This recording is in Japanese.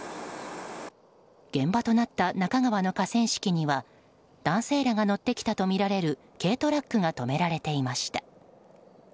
現場となった那珂川の河川敷には男性らが乗ってきたとみられる軽トラックが止められていました。